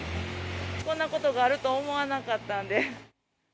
こんなことがあるとは思わなかったんで。